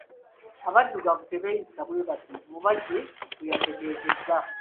"Abadduggavu tebeeyisa bwebati," Mubajje bweyategeezezza.